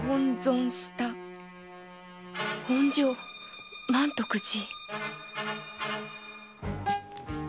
本所・満徳寺。